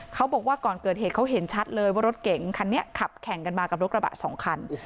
เขาบอกว่าก่อนเกิดเหตุเขาเห็นชัดเลยว่ารถเก๋งคันนี้ขับแข่งกันมากับรถกระบะสองคัน